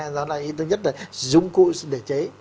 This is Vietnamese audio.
đó là ý thứ nhất là dùng cụ để chế